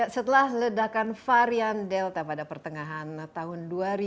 setelah ledakan varian delta pada pertengahan tahun dua ribu dua puluh